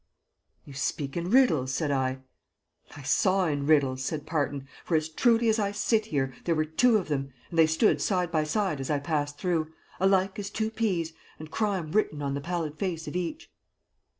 "You speak in riddles," said I. "I saw in riddles," said Parton; "for as truly as I sit here there were two of them, and they stood side by side as I passed through, alike as two peas, and crime written on the pallid face of each."